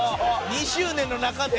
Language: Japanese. ２０年の中で。